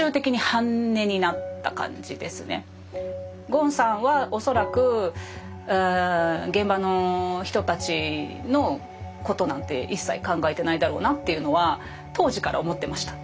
ゴーンさんは恐らく現場の人たちのことなんて一切考えてないだろうなっていうのは当時から思ってました。